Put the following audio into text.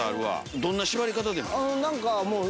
どんな縛り方でもいい？